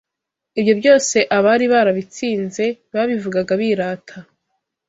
ibyo byose abari barabatsinze babivugaga birata